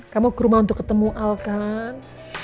kamu ke rumah untuk ketemu al kan